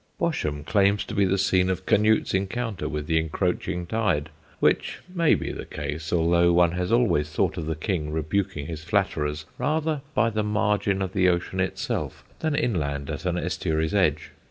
Bosham claims to be the scene of Canute's encounter with the encroaching tide; which may be the case, although one has always thought of the king rebuking his flatterers rather by the margin of the ocean itself than inland at an estuary's edge.